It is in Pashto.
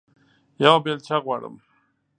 یوه بیلچه غواړم